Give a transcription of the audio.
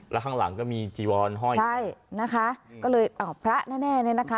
แล้วข้างหลังก็มีจีวอนห้อยใช่นะคะก็เลยพระแน่นะคะ